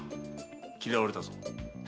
嫌われたぞ。